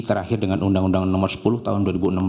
terakhir dengan undang undang nomor sepuluh tahun dua ribu enam belas